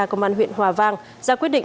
công an huyện hòa vang ra quyết định